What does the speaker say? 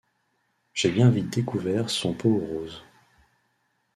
J’ai bien vite découvert son pot aux roses.